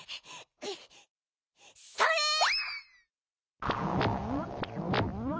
それっ！